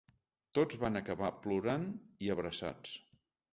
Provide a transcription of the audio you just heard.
Tots van acabar plorant i abraçats.